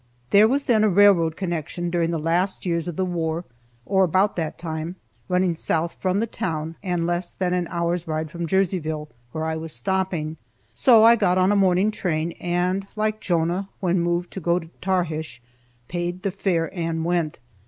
There was then a railroad constructed during the last years of the war, (or about that time), running south from the town, and less than an hour's ride from Jerseyville, where I was stopping, so I got on a morning train, and, like Jonah when moved to go to Tarshish, "paid the fare and went."